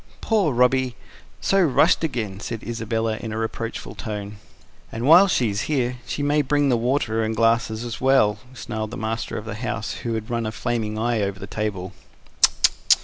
"Poor Robby ... so rushed again!" said Isabella in a reproachful tone. "And while she's here she may bring the water and the glasses as well," snarled the master of the house, who had run a flaming eye over the table.